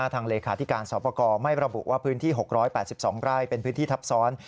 เลขาธิการสอบประกอบไม่ระบุว่าพื้นที่๖๘๒ไร่เป็นพื้นที่ทับซ้อน